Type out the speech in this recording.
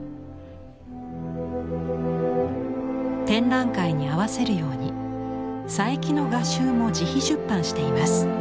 展覧会に合わせるように佐伯の画集も自費出版しています。